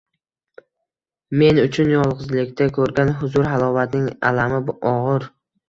men uchun yolg’izlikda ko’rgan huzur-halovatning alami og’ir.